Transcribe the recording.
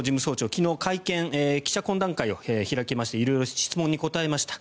昨日、会見記者懇談会を開きまして色々と質問に答えました。